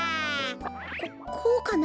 ここうかな。